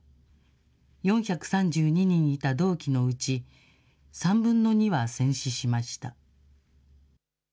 ４３２人いた同期のうち、３分の２は戦死しました。